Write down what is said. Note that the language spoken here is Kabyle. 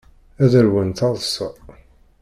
Ad ṛwun taḍṣa.